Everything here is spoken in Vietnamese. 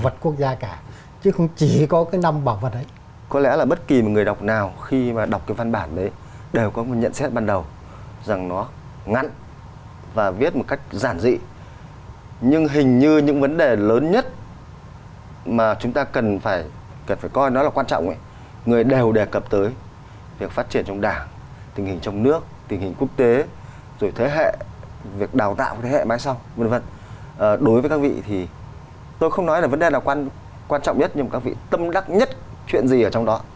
tôi có một nhận xét ban đầu rằng nó ngắn và viết một cách giản dị nhưng hình như những vấn đề lớn nhất mà chúng ta cần phải coi nó là quan trọng người đều đề cập tới việc phát triển trong đảng tình hình trong nước tình hình quốc tế rồi thế hệ việc đào tạo của thế hệ mai sau đối với các vị thì tôi không nói là vấn đề là quan trọng nhất nhưng các vị tâm đắc nhất chuyện gì ở trong đó